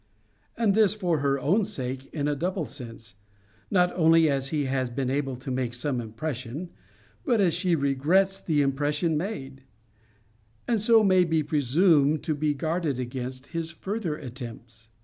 And this for her own sake in a double sense not only, as he has been able to make some impression, but as she regrets the impression made; and so may be presumed to be guarded against his further attempts.